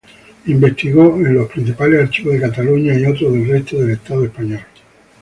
Investigó en los principales archivos de Cataluña y otros del resto del Estado español.